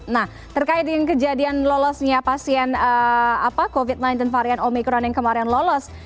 nah terkait dengan kejadian lolosnya pasien covid sembilan belas varian omikron yang kemarin lolos